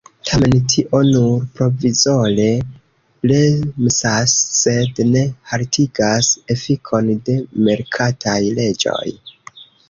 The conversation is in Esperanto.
Tamen tio nur provizore bremsas, sed ne haltigas efikon de merkataj leĝoj.